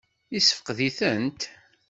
Yessefqed-itent?